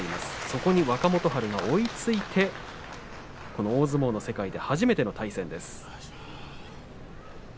そこに若元春が追いついて大相撲の世界で初めての対戦です。